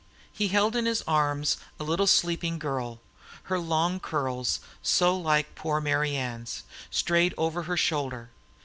He held in his arms a little sleeping girl; her long curls, so like poor Marian's, strayed over his shoulder.